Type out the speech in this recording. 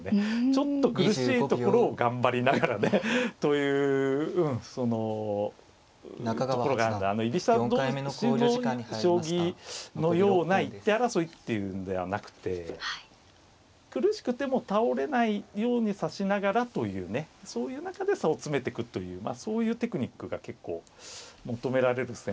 ちょっと苦しいところを頑張りながらね。というそのところがあるんで居飛車同士の将棋のような一手争いっていうんではなくて苦しくても倒れないように指しながらというねそういう中で差を詰めてくというそういうテクニックが結構求められる戦法なので。